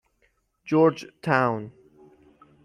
جورج تاون